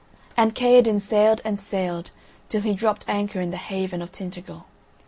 And Kaherdin sailed and sailed till he dropped anchor in the haven of Tintagel.